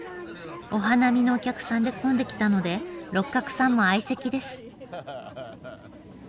お花見のお客さんで混んできたので六角さんも相席です。